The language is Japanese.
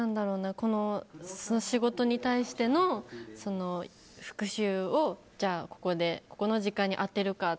仕事に対しての復習をじゃあ、この時間に当てるか